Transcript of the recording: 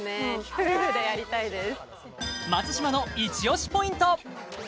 夫婦でやりたいです